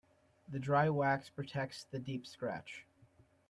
The dry wax protects the deep scratch.